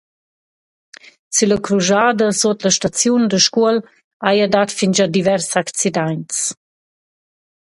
Sülla cruschada suot la staziun da Scuol haja dat fingià divers accidaints.